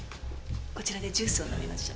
こちらでジュースを飲みましょう。